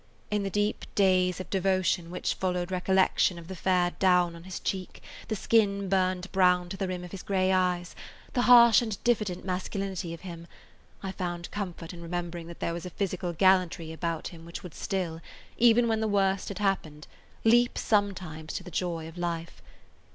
In the deep daze of devotion which followed recollection of [Page 182] the fair down on his cheek, the skin burned brown to the rim of his gray eyes, the harsh and diffident masculinity of him, I found comfort in remembering that there was a physical gallantry about him which would still, even when the worst had happened, leap sometimes to the joy of life.